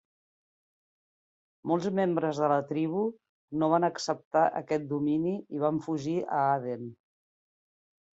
Molts membres de la tribu no van acceptar aquest domini i van fugir a Aden.